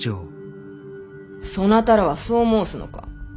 そなたらはそう申すのか。